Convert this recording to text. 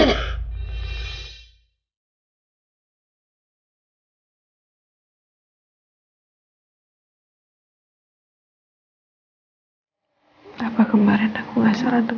kenapa kemarin aku gak salah dengar ndin